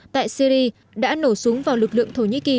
tại syri đã nổ súng vào lực lượng thổ nhĩ kỳ